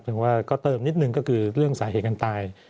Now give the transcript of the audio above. แต่ว่าก็เติมนิดนึงก็คือเรื่องสาเหตุการตาย